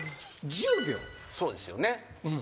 そうですよね。